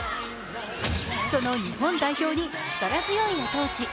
その日本代表に力強い後押し。